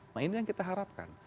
nah ini yang kita harapkan